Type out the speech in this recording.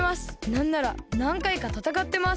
なんならなんかいかたたかってます。